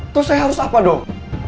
terus saya harus apa dok